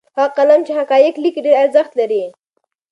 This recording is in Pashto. هغه قلم چې حقایق لیکي ډېر ارزښت لري.